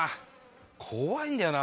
怖いんだよな